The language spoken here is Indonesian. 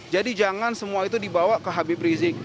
jadi jangan semua itu dibawa ke habib rizik